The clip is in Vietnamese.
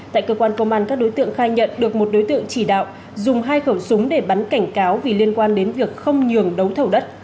tại cơ quan công an các đối tượng khai nhận được một đối tượng chỉ đạo dùng hai khẩu súng để bắn cảnh cáo vì liên quan đến việc không nhường đấu thầu đất